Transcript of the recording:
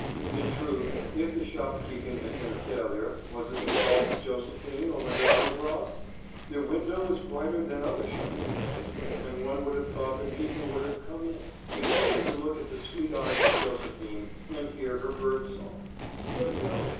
In truth, if the shopkeeping had been a failure, was it the fault of Josephine or Madame Labrosse? Their window was brighter than other shop windows, and one would have thought that people would have come in, if only to look at the sweet eyes of Josephine and hear her bird sing. But, no!